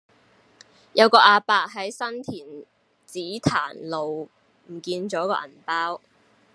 有個亞伯喺新田紫檀路唔見左個銀包